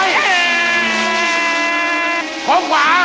ล้นวิทยาลักษณ์